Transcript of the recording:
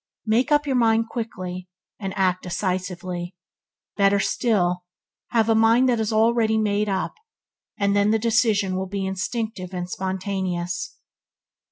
Make up your mind quickly, and act decisively. Better still, have a mind that is already made up and then decision will be instinctive and spontaneous.